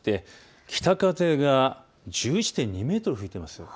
北風が１１．２メートル吹いています。